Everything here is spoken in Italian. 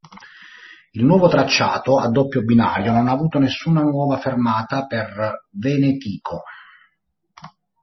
Il nuovo tracciato, a doppio binario, non ha avuto nessuna nuova fermata per Venetico.